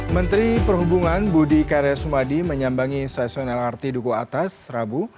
menteri perhubungan budi karya sumadi menyambangi stasiun lrt duku atas rabu